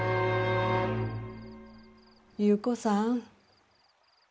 優子さん。